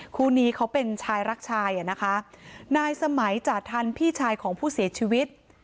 คู่นี้เขาเป็นชายรักชายอ่ะนะคะนายสมัยจ่าทันพี่ชายของผู้เสียชีวิต